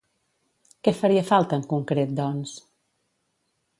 Què faria falta en concret, doncs?